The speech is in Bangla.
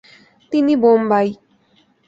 তিনি বোম্বাই